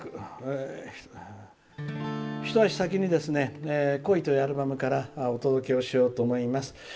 一足先に「孤悲」というアルバムからお届けしようと思います。